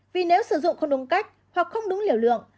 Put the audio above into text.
vì nếu sử dụng không đúng cách hoặc không đúng liều lượng